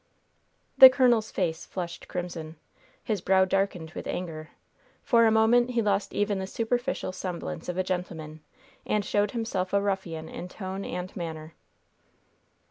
The colonel's face flushed crimson. His brow darkened with anger. For a moment he lost even the superficial semblance of a gentleman, and showed himself a ruffian in tone and manner.